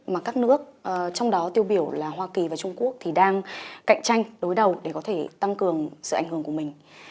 mà các nước trong đó tiêu biểu là hoa kỳ và trung quốc thì đang cạnh tranh đối đầu để có thể tăng cường sự ảnh hưởng của mình